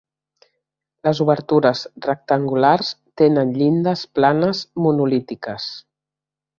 Les obertures, rectangulars, tenen llindes planes monolítiques.